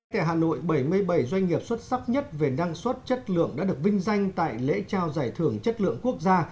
tại hà nội bảy mươi bảy doanh nghiệp xuất sắc nhất về năng suất chất lượng đã được vinh danh tại lễ trao giải thưởng chất lượng quốc gia